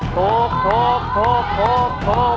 ถูก